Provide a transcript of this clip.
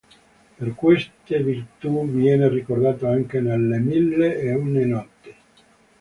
Per queste virtù, viene ricordato anche nelle "Mille e una notte".